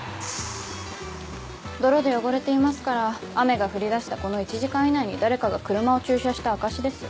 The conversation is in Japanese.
泥で汚れていますから雨が降り出したこの１時間以内に誰かが車を駐車した証しですよ。